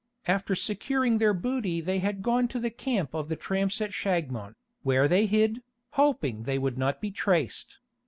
After securing their booty they had gone to the camp of the tramps at Shagmon, where they hid, hoping they would not be traced.